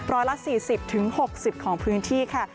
ร้อยละ๔๐๖๐ของพื้นที่ค่ะ